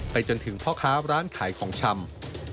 จนถึงพ่อค้าร้านขายของชำ